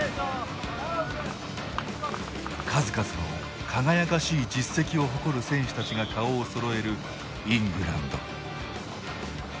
数々の輝かしい実績を誇る選手たちが顔をそろえるイングランド。